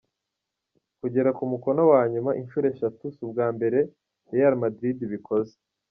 Kugera ku mukino wa nyuma inshuro eshatu si ubwa mbere Real Madrid ibikoze.